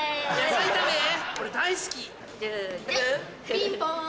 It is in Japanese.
ピンポン。